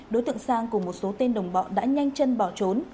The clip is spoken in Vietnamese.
đối tượng sang cùng một số tên đồng bọn đã nhanh chân bỏ trốn